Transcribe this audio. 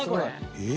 「えっ？」